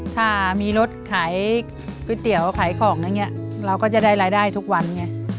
ถ้ามีรถขายก๋วยเตี๋ยวขายของอย่างนี้เราก็จะได้รายได้ทุกวันไง